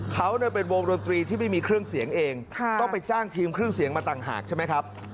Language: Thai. เขาเป็นวงดนตรีที่ไม่มีเครื่องเสียงเองต้องไปจ้างทีมเครื่องเสียงมาต่างหากใช่ไหมครับ